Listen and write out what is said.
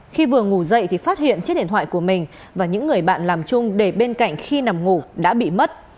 khi vừa ngủ dậy thì phát hiện chiếc điện thoại của mình và những người bạn làm chung để bên cạnh khi nằm ngủ đã bị mất